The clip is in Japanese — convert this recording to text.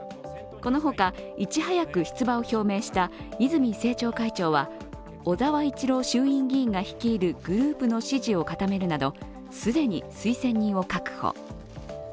このほか、いち早く出馬を表明した泉政調会長は小沢一郎衆院議員が率いるグループの支持を固めるなど既に推薦人を確保。